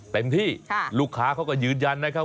เต็มที่ลูกค้าเขาก็ยืนยันนะครับ